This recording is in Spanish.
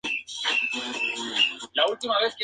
Un ejemplo de este ensayo es el ensayo de flexión por choque.